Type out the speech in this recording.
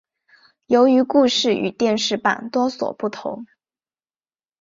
由于故事与电视版多所不同。